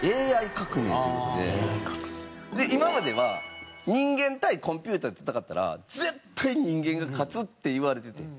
今までは人間対コンピューターで戦ったら絶対人間が勝つって言われててん。